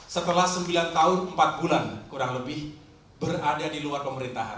setelah sembilan tahun empat bulan kurang lebih berada di luar pemerintahan